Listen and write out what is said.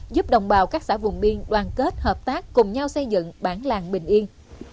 giúp đồng bào các xã vùng biên đoàn kết hợp tác cùng nhau xây dựng bản làng bình yên